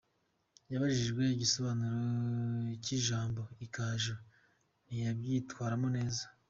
Yabajijwe igisobanuro cy’ijambo ’igaju’ ntiyabyitwaramo neza.